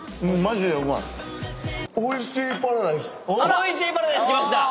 おいシーパラダイスきました！